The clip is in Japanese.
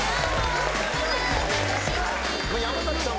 山崎さん